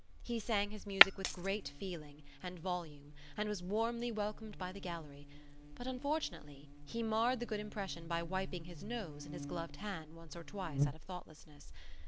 He sang his music with great feeling and volume and was warmly welcomed by the gallery; but, unfortunately, he marred the good impression by wiping his nose in his gloved hand once or twice out of thoughtlessness.